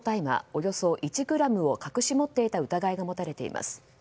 およそ１ｇを隠し持っていた疑いが持たれています。